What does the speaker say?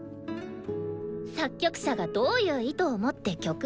「作曲者がどういう意図を持って曲を書いたか」